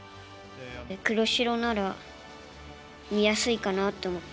黒白なら見やすいかなと思って。